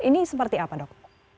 ini seperti apa dok